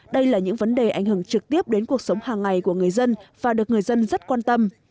đây là những vấn đề ảnh hưởng trực tiếp đến cuộc sống hàng ngày của người dân và được người dân rất quan tâm